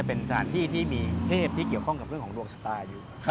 เป็นสถานที่ที่มีเทพที่เกี่ยวข้องกับเรื่องของดวงชะตาอยู่